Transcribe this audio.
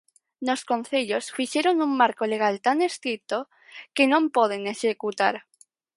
Nos concellos fixeron un marco legal tan estrito que non poden executar.